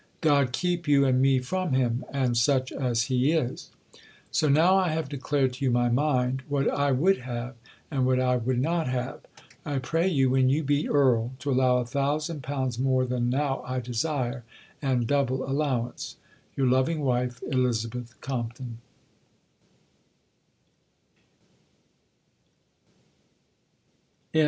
God keep you and me from him, and such as he is. "So now I have declared to you my mind, what I would have, and what I would not have; I pray you, when you be Earl, to allow a thousand pounds more than now I desire and double allowance. Your loving wife, ELIZABETH COMPTON."